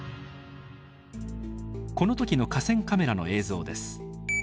この時の河川カメラの映像です。